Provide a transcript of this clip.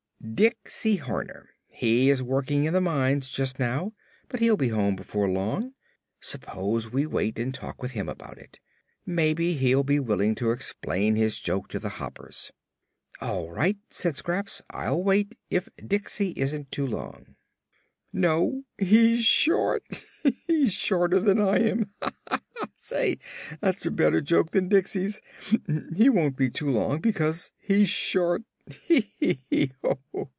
"Diksey Horner. He is working in the mines, just now, but he'll be home before long. Suppose we wait and talk with him about it? Maybe he'll be willing to explain his joke to the Hoppers." "All right," said Scraps. "I'll wait, if Diksey isn't too long." "No, he's short; he's shorter than I am. Ha, ha, ha! Say! that's a better joke than Diksey's. He won't be too long, because he's short. Hee, hee, ho!"